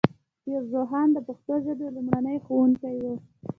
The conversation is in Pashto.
پیر روښان د پښتو ژبې لومړنی ښوونکی و.